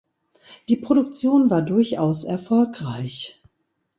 Die Produktion war durchaus erfolgreich.